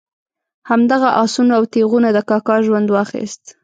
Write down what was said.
همدغه آسونه او تیغونه د کاکا ژوند واخیست.